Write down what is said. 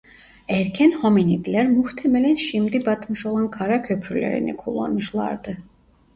Erken hominidler muhtemelen şimdi batmış olan kara köprülerini kullanmışlardı.